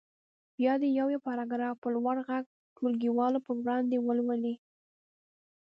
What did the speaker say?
بیا دې یو یو پاراګراف په لوړ غږ ټولګیوالو په وړاندې ولولي.